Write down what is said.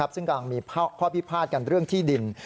ซึ่งกำลังมีข้อพิพาทกันเรื่องที่ดิน